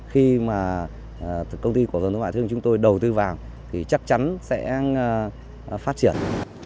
khi mà công ty của phần luyện cán thép ra sàng chúng tôi đầu tư vào thì chắc chắn sẽ phát triển